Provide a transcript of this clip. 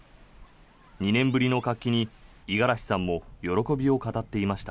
２年ぶりの活気に五十嵐さんも喜びを語っていました。